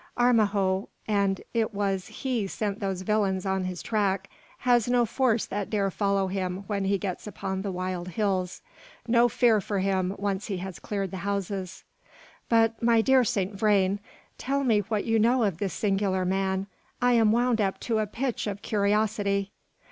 Armijo and it was he sent those villains on his track has no force that dare follow him when he gets upon the wild hills. No fear for him once he has cleared the houses." "But, my dear Saint Vrain, tell me what you know of this singular man. I am wound up to a pitch of curiosity."